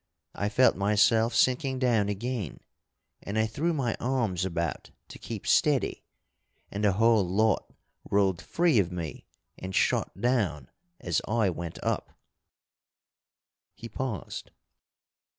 I felt myself sinking down again, and I threw my arms about to keep steady, and the whole lot rolled free of me and shot down as I went up " He paused.